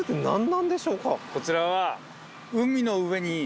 こちらは。